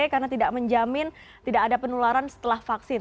karena tidak menjamin tidak ada penularan setelah vaksin